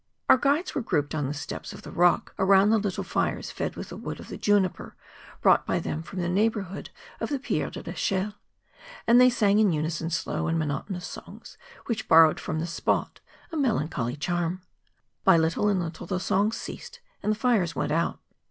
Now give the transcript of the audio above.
Our guides were grouped on the steps of the rock around the little fires fed with the wood of the juniper, brought by them from the neighbour¬ hood of the Pierre de V Echelle; and they sang in unison slow and monotonous songs which borrowed from the spot a melancholy charm. By little and little the songs ceased, and the fires went out.